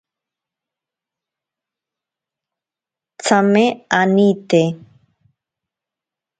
Tsame anite.